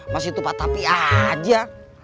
masih tupat tapi aja